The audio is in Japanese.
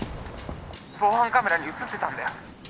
☎防犯カメラに写ってたんだよ